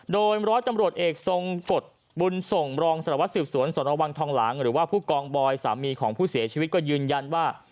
โดยร้อยตำรวจเอกทรงกฎบุญส่งรองสารวัสสืบสวนสนวังทองหลังหรือว่าผู้กองบอยสามีของผู้เสียชีวิตก็ยืนยันว่า